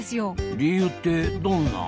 理由ってどんな？